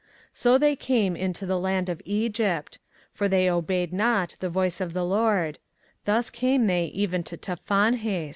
24:043:007 So they came into the land of Egypt: for they obeyed not the voice of the LORD: thus came they even to Tahpanhes.